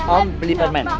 om beli permen